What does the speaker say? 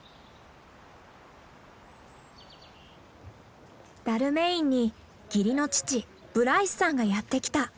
ダルメインに義理の父ブライスさんがやって来た。